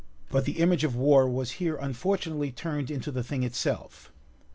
But the image of war was here unfortunately turned into the thing itself.